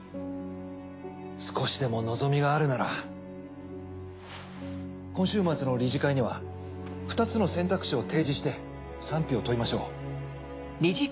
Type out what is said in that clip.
少しでも望みがあるなら今週末の理事会には２つの選択肢を提示して賛否を問いましょう。